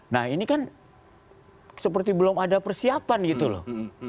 nah ini kan seperti belum ada persiapan gitu loh